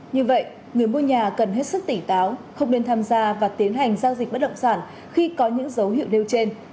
như vậy người mua nhà cần hết sức tỉnh táo không nên tham gia và tiến hành giao dịch bất động sản khi có những dấu hiệu nêu trên